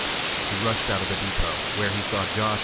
He rushed out of the depot, where he saw Josh.